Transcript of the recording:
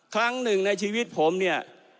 ครั้งหนึ่งในชีวิตผมเนี่ย